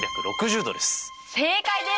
正解です！